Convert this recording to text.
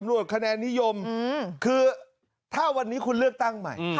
วดคะแนนนิยมคือถ้าวันนี้คุณเลือกตั้งใหม่